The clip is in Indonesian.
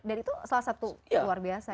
dan itu salah satu luar biasa ya